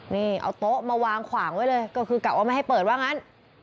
นี่เอาโต๊ะมาวางขวางไว้เลยก็คือกะว่าไม่ให้เปิดว่างั้น